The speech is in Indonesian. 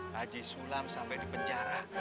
haji sulam sampai di penjara